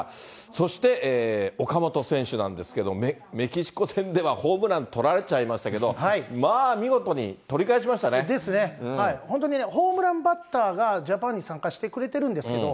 そして岡本選手なんですけど、メキシコ戦ではホームランとられちゃいましたけど、まあ、見事にですね、本当にホームランバッターがジャパンに参加してくれるんですけど、